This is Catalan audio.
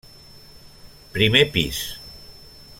Primer pis.